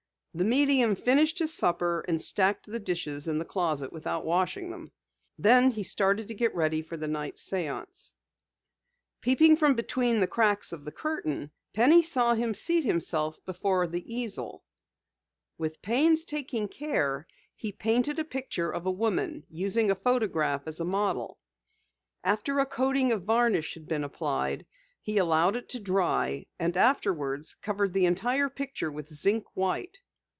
The medium finished his supper and stacked the dishes in the closet without washing them. Then he started to get ready for the night's séance. Peeping from between the cracks of the curtain, Penny saw him seat himself before the easel. With painstaking care he painted a picture of a woman, using a photograph as a model. After a coating of varnish had been applied, he allowed it to dry and afterwards covered the entire picture with zinc white.